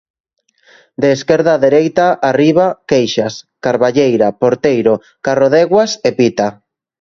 De esquerda a dereita, arriba, Queixas, Carballeira, Porteiro, Carrodeguas e Pita.